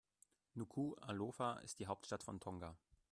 Nukuʻalofa ist die Hauptstadt von Tonga.